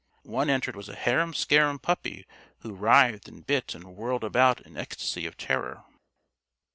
One entered was a harum scarum puppy who writhed and bit and whirled about in ecstasy of terror.